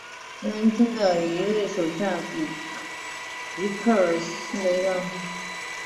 将军的一位手下给了吉尔克雷斯特一个装着即将到来的卫星发射的最高机密信息的闪盘。